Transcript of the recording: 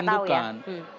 publik itu cukup merindukan